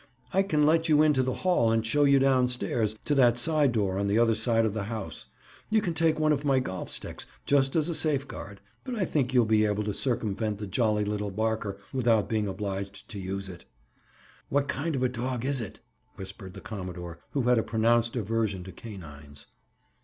"I can let you into the hall and show you downstairs, to that side door on the other side of the house. You can take one of my golf sticks, just as a safeguard, but I think you'll be able to circumvent the jolly little barker without being obliged to use it." "What kind of a dog is it?" whispered the commodore who had a pronounced aversion to canines.